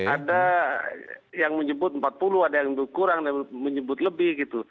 ada yang menyebut empat puluh ada yang kurang menyebut lebih gitu